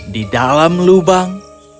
di dalam lubang